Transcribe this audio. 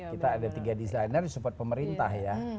kita ada tiga designer di support pemerintah ya